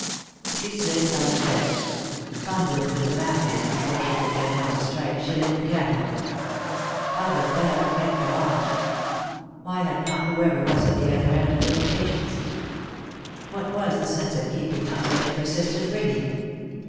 She slid out of bed. Fumbling with the matches 190 3i 9 iii^d by Google THE INTERRUPTED KISS before she could get one to strike, she lit the candle. How the bell kept on 1 Why had not whoever was at the other end a little patience ? What was the sense of keeping np such a persistent ringing